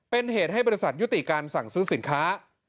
เป็นเหตุให้บริษัทยุติการสั่งซื้อสินค้า